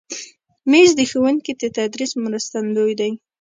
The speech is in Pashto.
مېز د ښوونکي د تدریس مرستندوی دی.